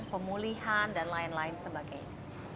pemulihan dan lain lain sebagainya